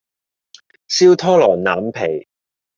燒托羅腩皮